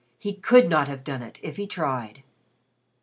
He could not have done it, if he tried.